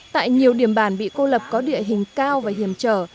tại nhiều điểm bản bị cô lập có địa hình cao và hiểm trở